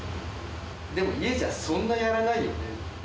でも、家じゃそんなやらないよね。